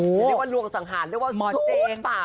เรียกว่าหลวงสังหารเรียกว่าสูตรปากมาก